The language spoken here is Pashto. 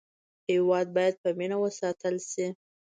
هېواد باید په مینه وساتل شي.